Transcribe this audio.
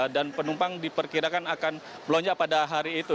dan penumpang diperkirakan akan lonjak pada hari itu